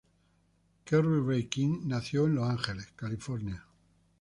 Kerry Ray King nació en Los Ángeles, California.